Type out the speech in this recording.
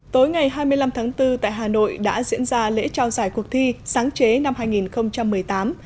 tối ngày hai mươi năm tháng bốn tại hà nội đã diễn ra lễ trao giải cuộc thi sáng chế năm hai nghìn một mươi tám